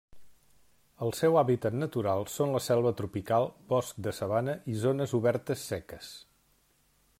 El seu hàbitat natural són la selva tropical, bosc de sabana i zones obertes seques.